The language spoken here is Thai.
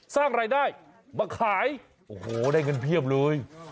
สร้างรายได้มาขายโอ้โหได้เงินเพียบเลย